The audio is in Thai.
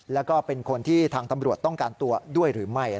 แล้วก็เป็นคนที่ทางตำรวจต้องการตัวด้วยหรือไม่